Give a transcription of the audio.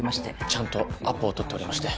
ちゃんとアポを取っておりまして。